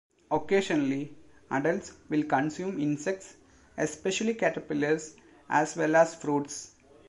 Occasionally adults will consume insects, especially caterpillars, as well as fruits.